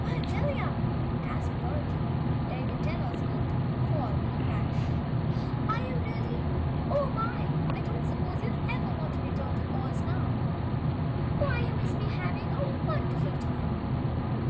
"Why, Jellia!" gasped Dorothy, letting the Tell all escope fall with a crash, "are you, really? Oh my! I don't suppose you'll ever want to return to Oz, now. Why, you must be having a wonderful time!"